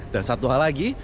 dan satu hal lagi